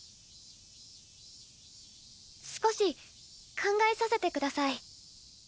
少し考えさせて下さい。